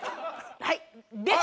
はい。